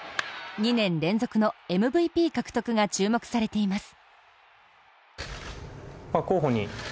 ２年連続のＭＶＰ獲得が注目されています。